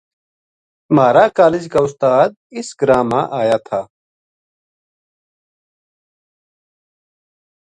مھارا کالج کا استاد اِس گراں ما آیا تھا